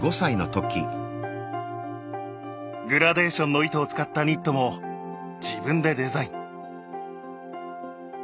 グラデーションの糸を使ったニットも自分でデザイン。